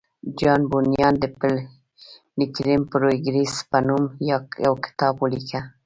جان بونیان د پیلګریم پروګریس په نوم یو کتاب ولیکه